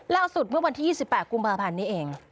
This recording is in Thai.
เล่าสุดเมื่อวันที่๒๘กรุงประพันธ์นี้เอง